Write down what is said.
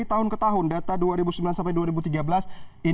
tahun ke tahun data dua ribu sembilan sampai dua ribu tiga belas